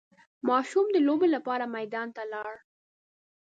ماشوم د لوبو لپاره میدان ته لاړ.